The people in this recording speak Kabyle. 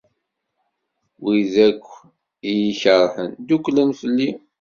Wid akk i iyi-ikerhen, ddukklen fell-i.